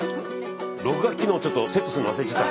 録画機能ちょっとセットするの忘れちゃった。